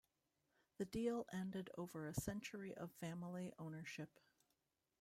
The deal ended over a century of family ownership.